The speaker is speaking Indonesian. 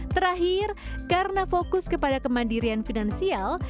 terakhir karena fokus kepada kemandirian finansial